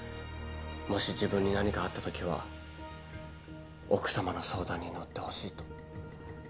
もし自分に何かあったときは奥様の相談に乗ってほしいと。